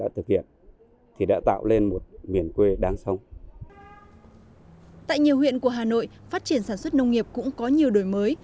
tại nhiều huyện của hà nội phát triển sản xuất nông nghiệp cũng có nhiều đổi mới